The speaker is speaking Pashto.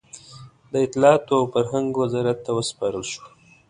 د اطلاعاتو او فرهنګ وزارت ته وسپارل شوه.